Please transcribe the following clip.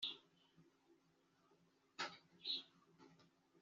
ariko se niba ayo mategeko a te akamaro